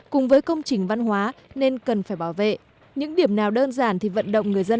cùng với công trình văn hóa nên cần phải bảo vệ những điểm nào đơn giản thì vận động người dân